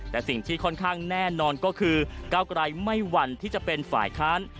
แต่สิ่งที่ค่อนข้างแน่นอนก็คือก้าวกลายไม่หวั่นที่จะเป็นฝ่ายค้าน